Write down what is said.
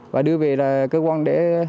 và đưa về cơ quan để